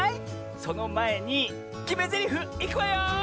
そのまえにきめぜりふいくわよ！